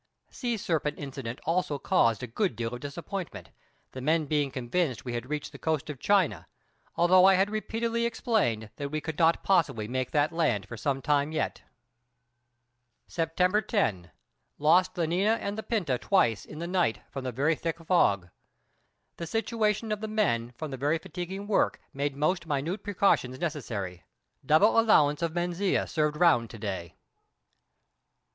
Sea serpent incident also caused a good deal of disappointment, the men being convinced we had reached the coast of China, although I had repeatedly explained that we could not possibly make that land for some time yet. September 10. Lost the Niña and the Pinta twice in the night from the very thick fog. The situation of the men from the very fatiguing work made most minute precautions necessary. Double allowance of Manzanilla served round to day.